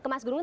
ke mas dungun